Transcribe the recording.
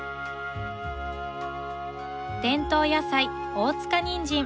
伝統野菜大塚にんじん。